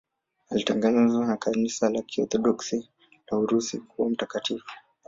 Alitangazwa na Kanisa la Kiorthodoksi la Urusi kuwa mtakatifu.